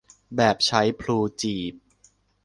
แบบใช้พลูจีบ